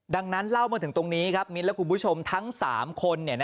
ดังนั้นเล่ามาถึงตรงนี้ครับมิ้นและคุณผู้ชมทั้ง๓คน